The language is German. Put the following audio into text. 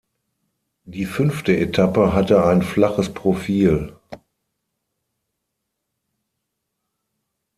Die fünfte Etappe hatte ein flaches Profil.